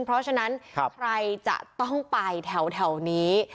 เพราะฉะนั้นใครจะต้องไปแถวนี้